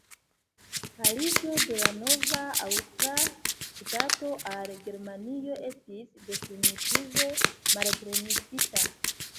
Aliĝo de la nova aŭstra ŝtato al Germanio estis definitive malpermesita.